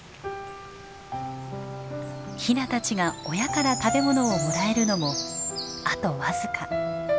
ヒナたちが親から食べ物をもらえるのもあと僅か。